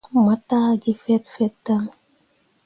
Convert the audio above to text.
Mo taa gi fet fet dan.